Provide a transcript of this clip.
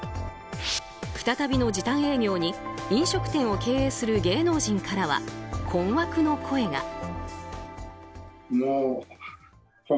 再びの時短営業に飲食店を経営する芸能人からは困惑の声が。